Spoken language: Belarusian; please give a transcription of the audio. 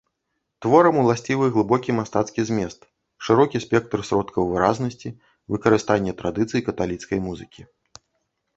Творам уласцівы глыбокі мастацкі змест, шырокі спектр сродкаў выразнасці, выкарыстанне традыцый каталіцкай музыкі.